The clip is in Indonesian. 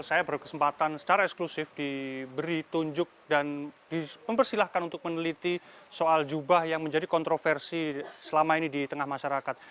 saya berkesempatan secara eksklusif diberi tunjuk dan mempersilahkan untuk meneliti soal jubah yang menjadi kontroversi selama ini di tengah masyarakat